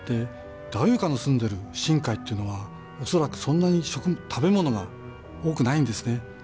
ダイオウイカの住んでる深海というのは恐らくそんなに食べ物が多くないんですね。